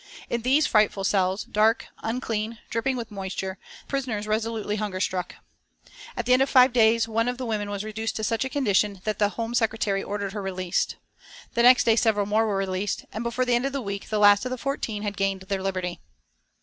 In these frightful cells, dark, unclean, dripping with moisture, the prisoners resolutely hunger struck. At the end of five days one of the women was reduced to such a condition that the Home Secretary ordered her released. The next day several more were released, and before the end of the week the last of the fourteen had gained their liberty.